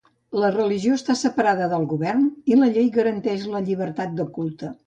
La religió està separada del Govern i la llei garanteix la llibertat de culte.